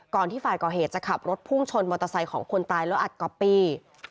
ที่ฝ่ายก่อเหตุจะขับรถพุ่งชนมอเตอร์ไซค์ของคนตายแล้วอัดก๊อปปี้